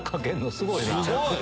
すごいな。